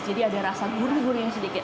jadi ada rasa gurih gurih sedikit